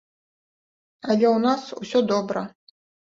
Але ў нас усё добра.